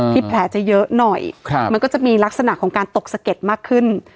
แผลจะเยอะหน่อยมันก็จะมีลักษณะของการตกสะเก็ดมากขึ้น